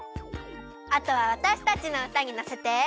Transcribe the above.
あとはわたしたちのうたにのせて。